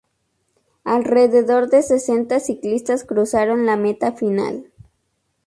Alrededor de sesenta ciclistas cruzaron la meta final.